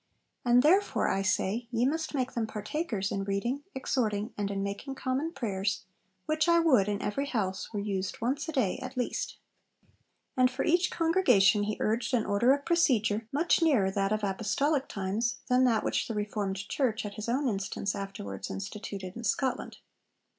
And therefore, I say, ye must make them partakers in reading, exhorting, and in making common prayers, which, I would, in every house were used once a day at least.' And for each congregation he urged an order of procedure much nearer that of apostolic times than that which the Reformed Church, at his own instance, afterwards instituted in Scotland.